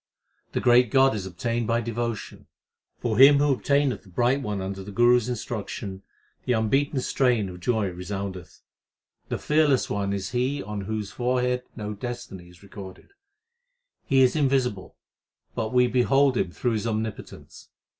The great God is obtained by devotion. For him who obtaineth the Bright One under the Guru s instruction, the unbeaten strain of joy resoundeth. The Fearless One is He on whose forehead no destiny is recorded. He is in visible, but we behold Him through His omnipotence.